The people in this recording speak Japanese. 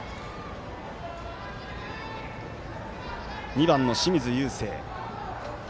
２番の清水友惺。